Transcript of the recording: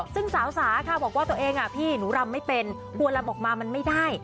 ซึ่งสาวสาค่ะบอกว่าตัวเองพี่หนูรำไม่เป็นควรลำออกมามันไม่ได้